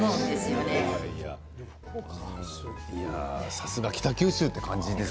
さすが北九州という感じです、